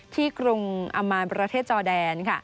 ที่กรุงอำมาตย์ประเทศจอดแดน